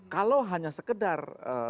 kalau hanya sekedar